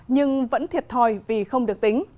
nhưng vẫn thiệt thòi vì không được tính